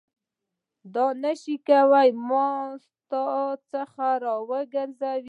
دا نه شي کولای ما ستا څخه راوګرځوي.